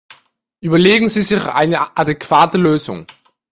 Überlegen Sie sich eine adäquate Lösung!